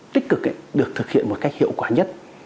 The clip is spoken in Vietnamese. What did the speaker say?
tích cực được thực hiện một cách hiệu quả nhất